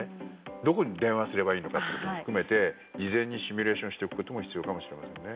どこに電話すればいいのかも含めて事前にシミュレーションしておくことが必要ですね。